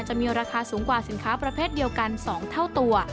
จะมีราคาสูงกว่าสินค้าประเภทเดียวกัน๒เท่าตัว